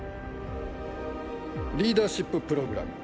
リーダーシッププログラム。